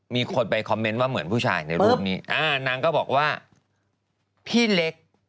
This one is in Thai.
มีคนไปคอมเมนต์ว่าเหมือนผู้ชายในรูปนี้อ่านางก็บอกว่าพี่เล็ก